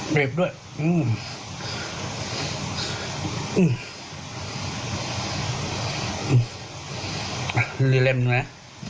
เบิ้ลให้๒เล่มเลย